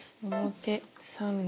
表目３目。